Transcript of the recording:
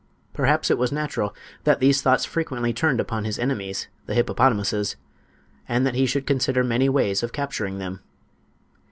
Perhaps it was natural that these thoughts frequently turned upon his enemies, the hippopotamuses, and that he should consider many ways of capturing them.